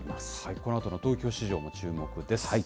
このあとの東京市場も注目です。